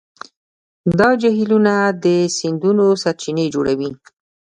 دا جهیلونه د سیندونو سرچینې جوړوي.